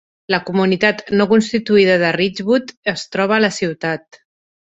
La comunitat no constituïda de Richwood es troba a la ciutat.